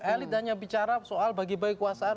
elit hanya bicara soal bagi bagi kekuasaan